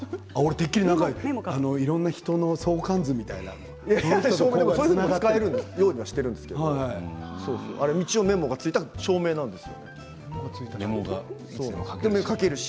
いろんな人の相関図みたいなそういうふうに使えるようにしているんですけど一応メモが付いた照明なんです。